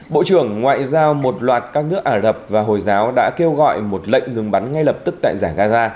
bộ trưởng ngoại giao một loạt các nước ả rập và hồi giáo đã kêu gọi một lệnh ngừng bắn ngay lập tức tại giải gaza